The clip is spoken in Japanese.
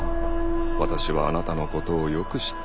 私はあなたのことをよく知っているのに。